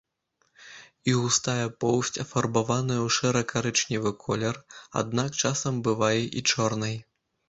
Іх густая поўсць афарбаваная ў шэра-карычневы колер, аднак часам бывае і чорнай.